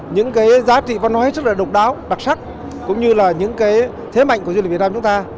những giá trị văn hóa rất độc đáo đặc sắc cũng như những thế mạnh của du lịch việt nam chúng ta